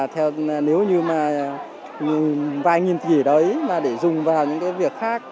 thế mà nếu như mà vài nghìn tỷ đấy mà để dùng vào những việc khác